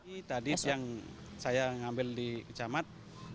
ini tadi yang saya ambil di kecamatan